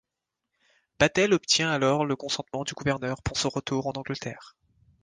Battel obtient alors le consentement du gouverneur pour son retour en Angleterre.